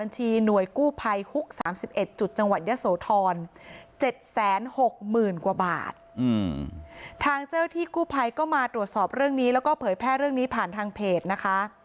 ทางเจ้าหน้าที่กู้ภัยก็มาตรวจสอบเรื่องนี้แล้วก็เผยแพร่เรื่องนี้ผ่านทางเพจนะคะ